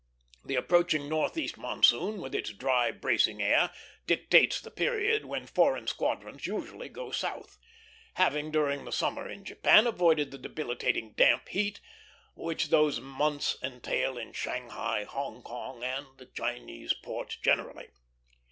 The approaching northeast monsoon, with its dry, bracing air, dictates the period when foreign squadrons usually go south, having during the summer in Japan avoided the debilitating damp heat which those months entail in Shanghai, Hong Kong, and the Chinese ports generally.